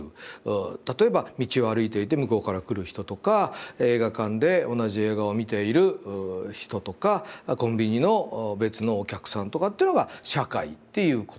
例えば道を歩いていて向こうから来る人とか映画館で同じ映画を見ている人とかコンビニの別のお客さんとかっていうのが「社会」っていうことですね。